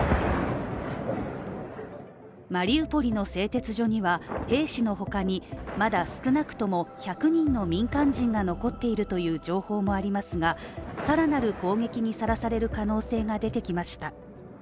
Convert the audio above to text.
マリウポリの製鉄所には、兵士のほかにまだ少なくとも１００人の民間人が残っているという情報もありますが更なる攻撃にさらされる可能性も出てきました。